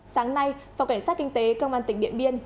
sáng nay phòng cảnh sát kinh tế công an tỉnh điện biên